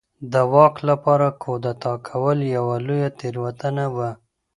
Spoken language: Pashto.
د واک لپاره کودتا کول یوه لویه تېروتنه وه.